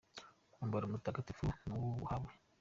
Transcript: Umwambaro mutagatifu nimuwubahe.